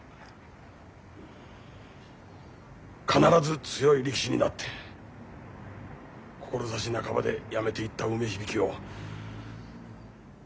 必ず強い力士になって志半ばでやめていった梅響を喜ばせてやってくれ。